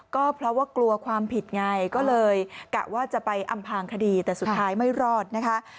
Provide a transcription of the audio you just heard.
ก็เพราะว่ากลัวความผิดไงก็เลยกะว่าจะไปอำพางคดีแต่สุดท้ายไม่รอดนะคะ